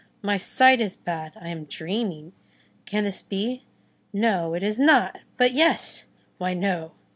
My sight is bad! I am dreaming! can this be? no, it is not! but yes! why, no!